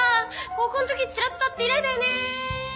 高校のときちらっと会って以来だよねー。